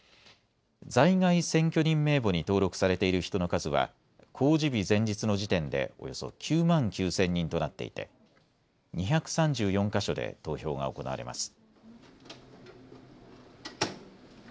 在外選挙人名簿に登録されている人の数は公示日前日の時点でおよそ９万９０００人となっていて２３４か所で投票が行われます。